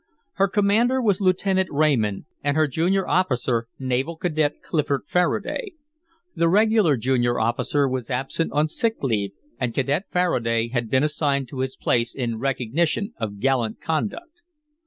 Her commander was Lieutenant Raymond, and her junior officer Naval Cadet Clifford Faraday. The regular junior officer was absent on sick leave, and Cadet Faraday had been assigned to his place in recognition of gallant conduct.